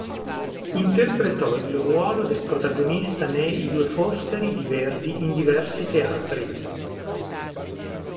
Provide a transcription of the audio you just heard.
Interpretò il ruolo del protagonista ne "I due Foscari" di Verdi in diversi teatri.